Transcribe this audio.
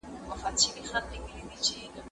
سبزیحات د مور له خوا جمع کيږي!؟